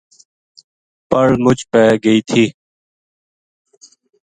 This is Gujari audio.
پل مُچ پے گئی تھی